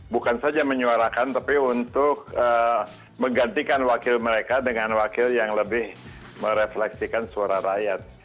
bukan saja menyuarakan tapi untuk menggantikan wakil mereka dengan wakil yang lebih merefleksikan suara rakyat